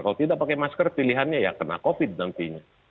kalau tidak pakai masker pilihannya ya kena covid nantinya